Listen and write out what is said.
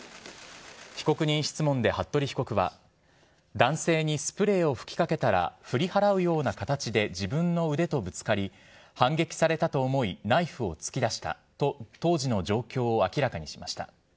被告人質問で服部被告は、男性にスプレーを噴きかけたら振り払うような形で自分の腕とぶつかり、反撃されたと思い、ナイフを突き出したと当時の状況を明らかにしました。